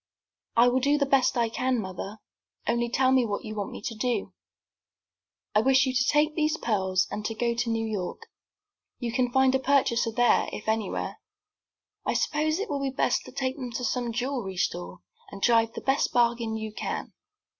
"I will do the best I can, mother. Only tell me what you want me to do." "I wish you to take these pearls, and go to New York. You can find a purchaser there, if anywhere. I suppose it will be best to take them to some jewelry store, and drive the best bargain you can."